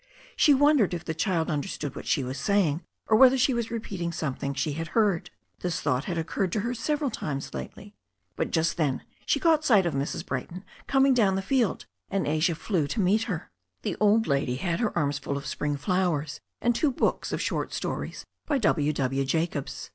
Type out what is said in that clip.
She wondered if the child understood what she was saying, or whether she was repeating something she had heard. This thought had occurred to her several times lately. But just then she caught sight of Mrs. Brayton coming down the field, and Asia flew to meet her. The old lady had her arms full of spring flowers and two books of short stories by W. W. Jacobs.